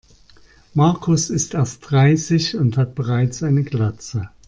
Markus ist erst dreißig und hat bereits eine Glatze.